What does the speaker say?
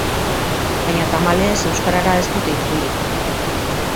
Baina tamalez, euskarara ez dute itzuli.